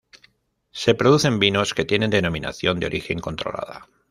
Se producen vinos que tienen denominación de origen controlada.